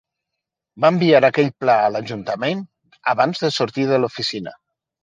Va enviar aquell pla a l"ajuntament abans de sortir de l"oficina.